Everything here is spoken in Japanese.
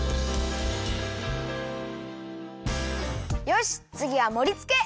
よしつぎはもりつけ！